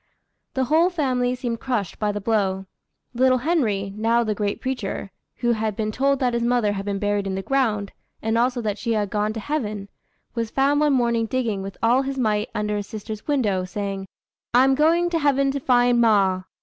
The whole family seemed crushed by the blow. Little Henry (now the great preacher), who had been told that his mother had been buried in the ground, and also that she had gone to heaven, was found one morning digging with all his might under his sister's window, saying, "I'm going to heaven, to find ma!"